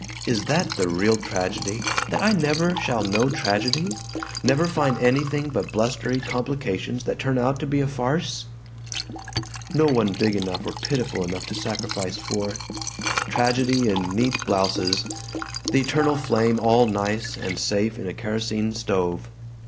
Is that the real tragedy, that I never shall know tragedy, never find anything but blustery complications that turn out to be a farce? "No one big enough or pitiful enough to sacrifice for. Tragedy in neat blouses; the eternal flame all nice and safe in a kerosene stove.